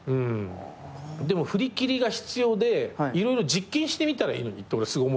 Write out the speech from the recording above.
でも振り切りが必要で色々実験してみたらいいのにって俺すごい思うけどねテレビ。